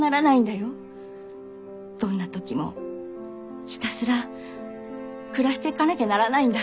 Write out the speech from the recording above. どんな時もひたすら暮らしていかなきゃならないんだ。